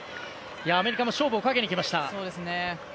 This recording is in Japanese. アメリカも勝負をかけにきました。